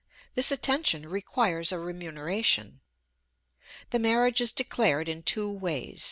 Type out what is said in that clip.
This attention requires a remuneration. The marriage is declared in two ways.